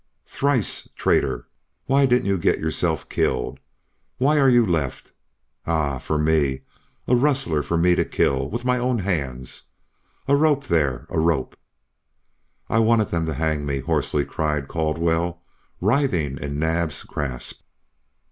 Thrice traitor!... Why didn't you get yourself killed? ... Why are you left? Ah h! for me a rustler for me to kill with my own hands! A rope there a rope!" "I wanted them to hang me," hoarsely cried Caldwell, writhing in Naab's grasp.